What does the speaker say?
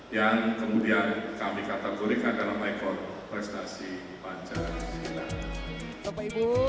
yang kemudian kami kategorikan dalam rekor prestasi pancasila